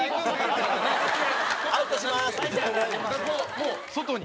もう、外に。